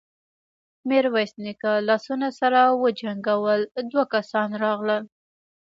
ميرويس نيکه لاسونه سره وجنګول، دوه کسان راغلل.